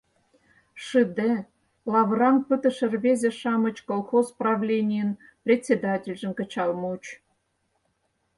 Шыде, лавыраҥ пытыше рвезе-шамыч колхоз правленийын председательжым кычал муыч.